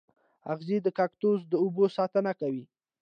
اغزي د کاکتوس د اوبو ساتنه کوي